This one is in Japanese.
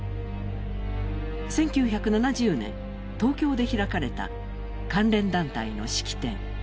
１９７０年、東京で開かれた関連団体の式典。